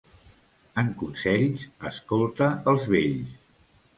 En consells, escolta els vells.